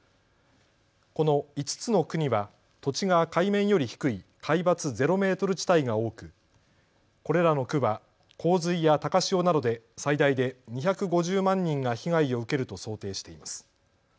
この５つの区には土地が海面より低い海抜ゼロメートル地帯が多くこれらの区は洪水や高潮などで最大で２５０万人が被害を受けると想定しています。